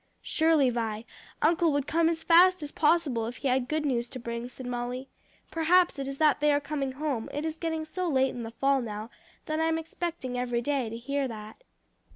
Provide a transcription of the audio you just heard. "Surely, Vi, uncle would come as fast as possible if he had good news to bring," said Molly. "Perhaps it is that they are coming home; it is getting so late in the fall now, that I'm expecting every day to hear that."